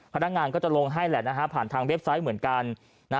พนักงานก็จะลงให้แหละนะฮะผ่านทางเว็บไซต์เหมือนกัน